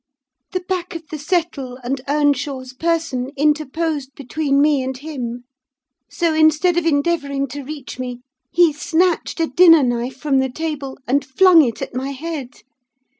"The back of the settle and Earnshaw's person interposed between me and him; so instead of endeavouring to reach me, he snatched a dinner knife from the table and flung it at my head.